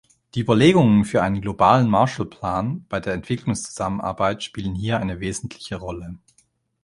Die Überlegungen für einen "globalen Marshall-Plan" bei der Entwicklungszusammenarbeit spielen hier eine wesentliche Rolle.